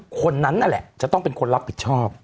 คนนั้นนั่นแหละจะต้องเป็นคนรับผิดชอบ